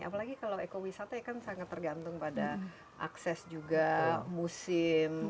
apalagi kalau ekowisata ya kan sangat tergantung pada akses juga musim